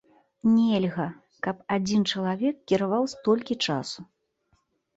Нельга, каб адзін чалавек кіраваў столькі часу.